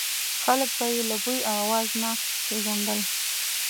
خلک به یې له بوی او اواز نه پېژندل.